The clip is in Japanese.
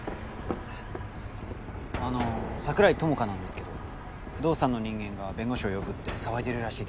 あの桜井ともかなんですけど不動産の人間が弁護士を呼ぶって騒いでるらしいです。